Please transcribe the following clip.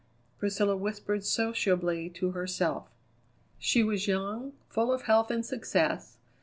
Priscilla whispered sociably to herself. She was young, full of health and success.